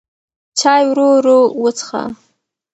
چای ورو ورو وڅښه.